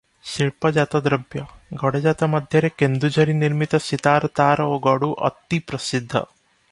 ଶିଳ୍ପଜାତଦ୍ରବ୍ୟ—ଗଡ଼ଜାତ ମଧ୍ୟରେ କେନ୍ଦୁଝରୀ ନିର୍ମିତ ସିତାର ତାର ଓ ଗଡ଼ୁ ଅତି ପ୍ରସିଦ୍ଧ ।